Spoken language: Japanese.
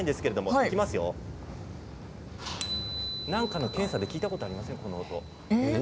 音さの音何かの検査で聞いたことありません？